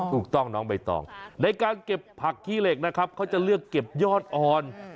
ถูกต้องน้องใบตองในการเก็บผักขี้เหล็กนะครับเขาจะเลือกเก็บยอดอ่อน